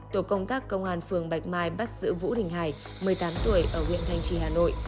tổ công tác công an phường bạch mai bắt giữ vũ đình hải một mươi tám tuổi ở huyện thanh trì hà nội